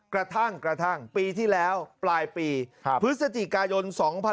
กระทั่งกระทั่งปีที่แล้วปลายปีพฤศจิกายน๒๕๖๒